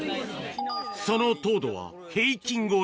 その糖度は平均超え。